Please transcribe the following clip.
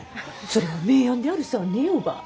それは名案であるさぁねぇおばぁ。